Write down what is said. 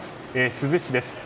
珠洲市です。